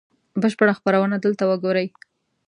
بشپړه خپرونه دلته وګورئ